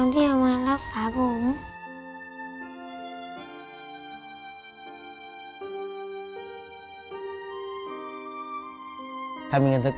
พ่อลูกรู้สึกปวดหัวมาก